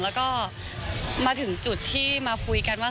แล้วก็มาถึงจุดที่มาคุยกันว่า